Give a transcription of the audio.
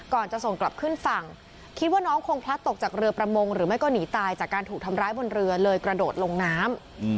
จะส่งกลับขึ้นฝั่งคิดว่าน้องคงพลัดตกจากเรือประมงหรือไม่ก็หนีตายจากการถูกทำร้ายบนเรือเลยกระโดดลงน้ำ